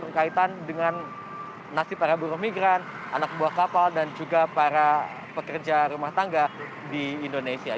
berkaitan dengan nasib para buruh migran anak buah kapal dan juga para pekerja rumah tangga di indonesia